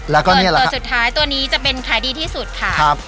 แล้วก็ส่วนตัวสุดท้ายตัวนี้จะเป็นขายดีที่สุดค่ะครับ